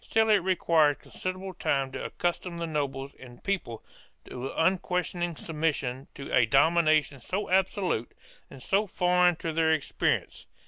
Still it required considerable time to accustom the nobles and people to unquestioning submission to a domination so absolute and so foreign to their experience.